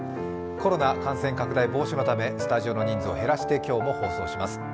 コロナ感染拡大防止のため、スタジオの人数を減らして今日も放送します。